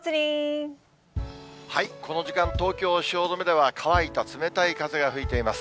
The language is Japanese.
この時間、東京・汐留では、乾いた冷たい風が吹いています。